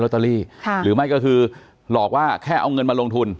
อ๋อเจ้าสีสุข่าวของสิ้นพอได้ด้วย